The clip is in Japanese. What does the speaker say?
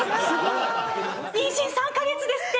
妊娠３カ月ですって。